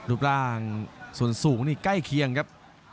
รูปร่างส่วนสูงนี่ใกล้เคียงครับ